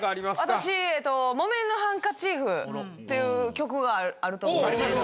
私『木綿のハンカチーフ』という曲があると思うんですけど。